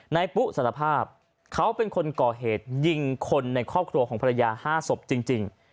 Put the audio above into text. ปุ๊สารภาพเขาเป็นคนก่อเหตุยิงคนในครอบครัวของภรรยา๕ศพจริง